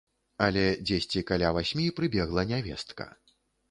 Але дзесьці каля васьмі прыбегла нявестка.